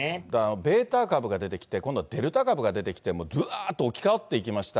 ベータ株が出てきて、デルタ株が出てきて、ぶわーっと置き換わっていきました。